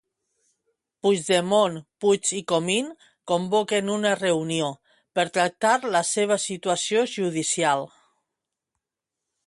Puigdemont, Puig i Comín convoquen una reunió per tractar la seva situació judicial.